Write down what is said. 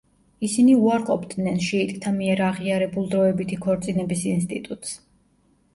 ისინი უარყოფდნენ შიიტთა მიერ აღიარებულ დროებითი ქორწინების ინსტიტუტს.